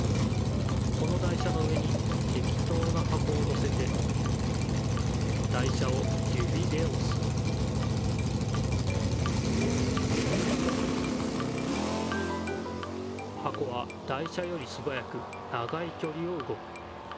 この台車の上にてきとうなはこをのせて台車をゆびでおすはこは台車よりすばやく長いきょりをうごく。